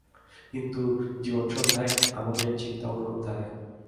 কিন্তু জীবনসন্ধায় আমাদের চিন্তা অন্যরূপ দাঁড়ায়।